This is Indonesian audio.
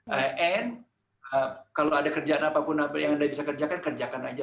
dan kalau ada kerjaan apapun yang anda bisa kerjakan kerjakan saja